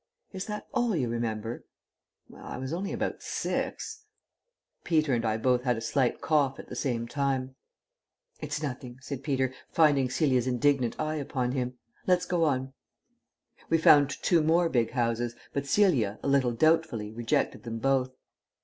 "Is that all you remember?" "Well, I was only about six " Peter and I both had a slight cough at the same time. "It's nothing," said Peter, finding Celia's indignant eye upon him. "Let's go on." We found two more big houses, but Celia, a little doubtfully, rejected them both.